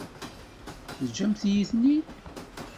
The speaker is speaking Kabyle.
Teǧǧamt-iyi-ten-id.